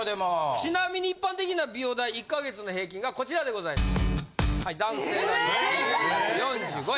ちなみに一般的な美容代１か月の平均がこちらでございます。